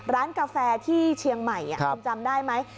กาแฟที่เชียงใหม่คุณจำได้ไหม